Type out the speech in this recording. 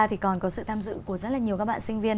thì còn có sự tham dự của rất là nhiều các bạn sinh viên